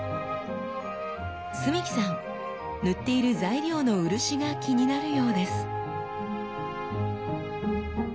澄輝さん塗っている材料の漆が気になるようです。